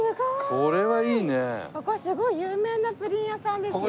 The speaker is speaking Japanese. ここすごい有名なプリン屋さんですよね。